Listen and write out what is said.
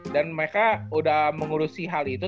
dan mereka udah mengurusi hal itu